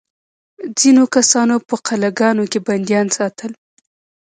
ځینو کسانو په قلعه ګانو کې بندیان ساتل.